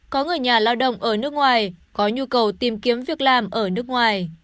có người nhà lao động ở nước ngoài có nhu cầu tìm kiếm việc làm ở nước ngoài